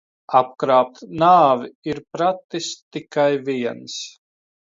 Apkrāpt nāvi ir pratis tikai viens.